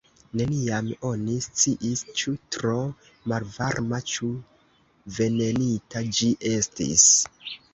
Neniam oni sciis, ĉu tro malvarma, ĉu venenita ĝi estis.